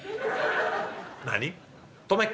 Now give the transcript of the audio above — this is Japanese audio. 「何？」。